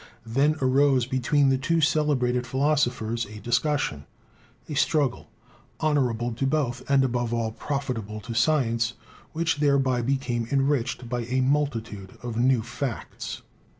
Then arose between the two celebrated phi losophers a discussion, a struggle, honorable to both, and, above all, profitable to science, which thereby became enriched by a multitude of new facts.